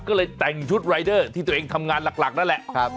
ก็เลยแต่งชุดรายเดอร์ที่ตัวเองทำงานหลักนั่นแหละ